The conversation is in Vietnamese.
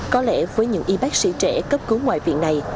có lẽ với những y bác sĩ trẻ cấp cứu ngoại viện này